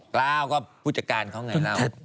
กล้าวก็ผู้จัดการเขาไงเล่า